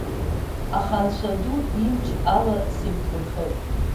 Аха анцәа ду имч ала сеиқәбырхеит.